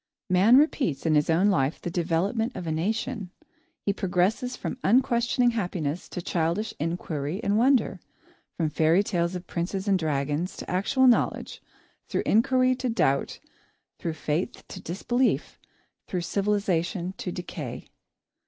Man repeats in his own life the development of a nation. He progresses from unquestioning happiness to childish inquiry and wonder, from fairy tales of princes and dragons to actual knowledge; through inquiry to doubt, through faith to disbelief, through civilisation to decay.